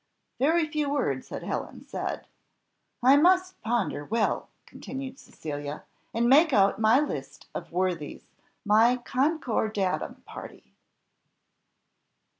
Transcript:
Very few words had Helen said. "I must ponder well," continued Cecilia, "and make out my list of worthies, my concordatum party."